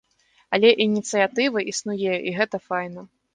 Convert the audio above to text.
Але ініцыятыва існуе і гэта файна.